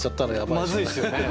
まずいですよね。